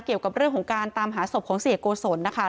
เกี่ยวกับเรื่องของการตามหาศพของเสียโกศลนะคะ